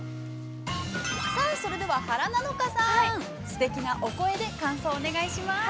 ◆さあ、それでは原菜乃華さん、すてきなお声で感想をお願いします。